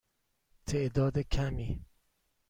تعداد کمی.